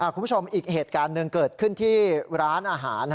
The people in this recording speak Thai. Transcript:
คุณผู้ชมอีกเหตุการณ์หนึ่งเกิดขึ้นที่ร้านอาหาร